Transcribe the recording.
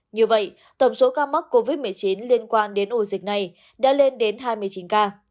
như vậy tổng số ca mắc covid một mươi chín liên quan đến ổ dịch này đã lên đến hai mươi chín ca